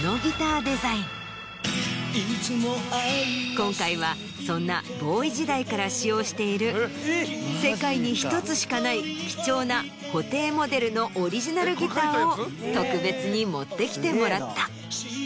今回はそんなＢＯφＷＹ時代から使用している世界に１つしかない貴重な布袋モデルのオリジナルギターを特別に持ってきてもらった。